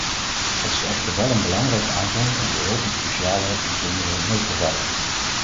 Het is echter wel een belangrijke aanvulling op de hulp in speciale bijzondere noodgevallen.